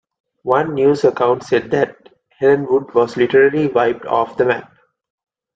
One news account said that Helenwood was literally wiped off the map.